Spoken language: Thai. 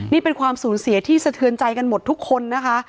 นี่เป็นความสูญเสียที่สะเทือนใจกันหมดทุกคนนะคะ